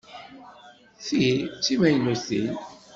Ti d timaynutin.